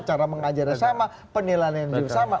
cara mengajarnya sama penilaiannya juga sama